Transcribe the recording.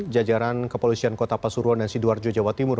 jajaran kepolisian kota pasuruan dan sidoarjo jawa timur